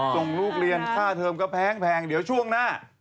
ส่งลูกเรียนค่าเทอมก็แพงเดี๋ยวช่วงหน้า